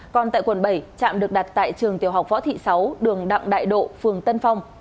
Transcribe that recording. còn tại quận bảy trạm được đặt tại trường tiểu học võ thị sáu đường đặng đại độ phường tân phong